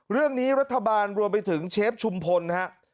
เรื่องนี้รัฐบาลรวมไปถึงเชฟชุมพลนะครับ